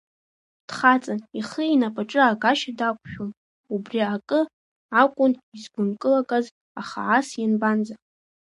Дхаҵан, ихы инапаҿы аагашьа дақәшәон, убри ак акәын изгәынкылагаз, аха ас ианбанӡа?